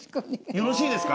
よろしいですか？